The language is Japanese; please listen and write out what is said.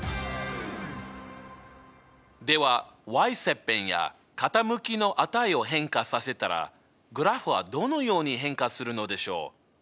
では切片や傾きの値を変化させたらグラフはどのように変化するのでしょう。